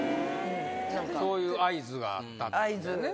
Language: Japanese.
そういう合図があったってい合図。